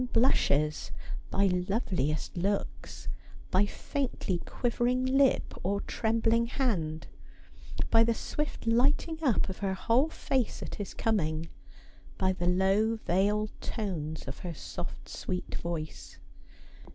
blushes ; by loveliest looks ; by faintly quivering lip or trembling hand ; by the swift lighting up of her whole face at his coming ; by the low veiled tones of her soft sweet voice.